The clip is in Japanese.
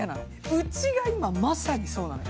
うちが今、まさにそうなの。